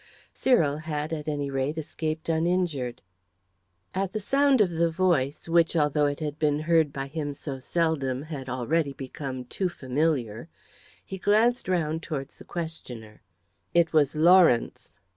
Cyril had, at any rate, escaped uninjured. At the sound of the voice, which, although it had been heard by him so seldom, had already become too familiar, he glanced round towards the questioner. It was Lawrence.